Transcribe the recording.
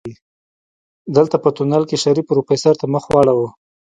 دلته په تونل کې شريف پروفيسر ته مخ واړوه.